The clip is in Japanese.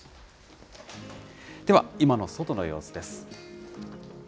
では、今の外の様子です。